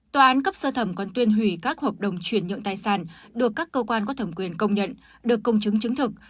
tòa án cấp sơ thẩm còn tuyên hủy các hợp đồng chuyển nhượng tài sản được các cơ quan có thẩm quyền công nhận được công chứng chứng thực